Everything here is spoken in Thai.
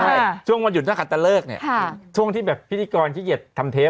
ใช่ช่วงวันหยุดในขาดตะเลิกค่ะช่วงที่แบบพิธีกรขี้เย็ดทำเทป